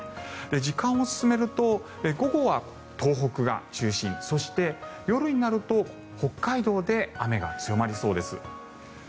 時間を進めると午後は東北が中心そして夜になると北海道で雨が強まりそうです。